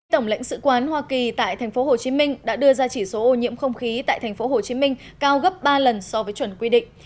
tổng lãnh sự quán hoa kỳ tại tp hcm đã đưa ra chỉ số ô nhiễm không khí tại tp hcm cao gấp ba lần so với chuẩn quy định